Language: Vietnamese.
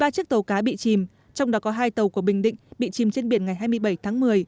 ba chiếc tàu cá bị chìm trong đó có hai tàu của bình định bị chìm trên biển ngày hai mươi bảy tháng một mươi